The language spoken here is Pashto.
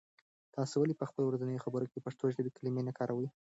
تاسې ولې په خپلو ورځنیو خبرو کې د پښتو ژبې کلمې نه کاروئ؟